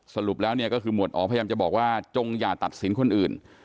สรุปแล้วเนี่ยก็คือหมวดอ๋อพยายามจะบอกว่าจงอย่าตัดสินคนอื่น